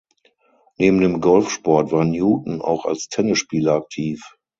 Neben dem Golfsport war Newton auch als Tennisspieler aktiv.